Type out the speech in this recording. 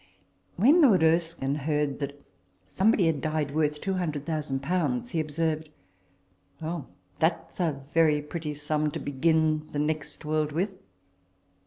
When Lord Erskine heard that somebody had died worth two hundred thousand pounds, he observed, " Well, that's a very pretty sum to begin the next world with."